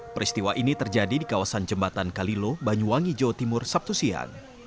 peristiwa ini terjadi di kawasan jembatan kalilo banyuwangi jawa timur sabtu siang